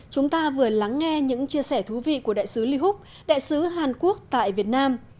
chúng ta vừa lắng nghe những chia sẻ thú vị của đại sứ liuk đại sứ hàn quốc tại việt nam